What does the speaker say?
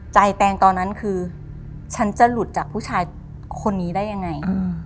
แตงตอนนั้นคือฉันจะหลุดจากผู้ชายคนนี้ได้ยังไง